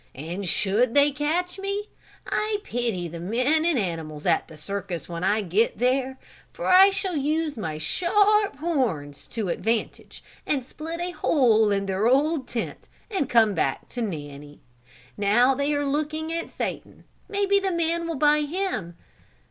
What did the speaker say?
And should they catch me, I pity the men and animals at the circus when I get there for I shall use my sharp horns to advantage and split a hole in their old tent and come back to Nanny. Now they are looking at Satan, maybe the man will buy him.